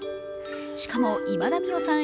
しかも、今田美桜さん